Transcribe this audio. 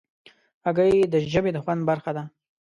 هګۍ د ژبې د خوند برخه ده.